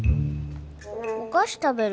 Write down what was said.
お菓子食べる。